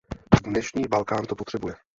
Dnešní Balkán to potřebuje.